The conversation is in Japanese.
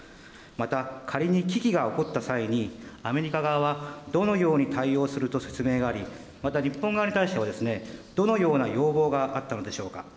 また、仮に危機が起こった際に、アメリカ側は、どのように対応すると説明があり、また日本側に対しては、どのような要望があったのでしょうか。